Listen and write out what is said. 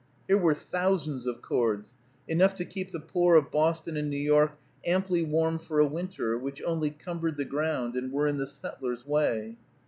Here were thousands of cords, enough to keep the poor of Boston and New York amply warm for a winter, which only cumbered the ground and were in the settler's way.